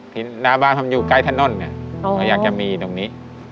ที่หน้าบ้านทำอยู่ใกล้ถนนเนี้ยอ๋ออยากจะมีตรงนี้